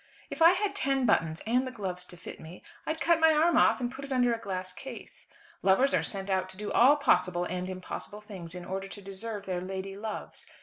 "If I had ten buttons, and the gloves to fit me, I'd cut my arm off and put it under a glass case. Lovers are sent out to do all possible and impossible things in order to deserve their lady loves.